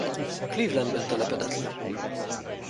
Clevelandben telepedett le.